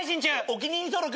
お気に入り登録。